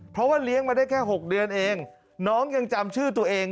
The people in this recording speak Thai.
เพราะว่าเลี้ยงมาได้แค่๖เดือนเองน้องยังจำชื่อตัวเอง